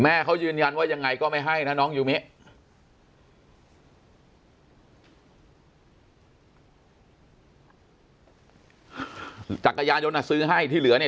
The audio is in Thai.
แม่เขายืนยันว่ายังไงก็ไม่ให้นะจักราย้านยนต์อ่ะซื้อให้ที่เหลือเนี่ย